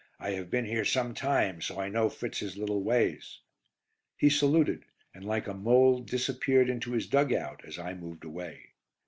I have been here some time, so I know Fritz's little ways." He saluted, and like a mole disappeared into his dug out as I moved away.